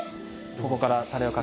ここから。